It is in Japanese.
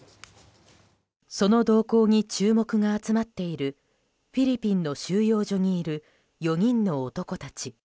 その動向に注目が集まっているフィリピンの収容所にいる４人の男たち。